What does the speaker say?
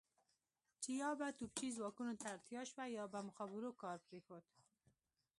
چې یا به توپچي ځواکونو ته اړتیا شوه یا به مخابرو کار پرېښود.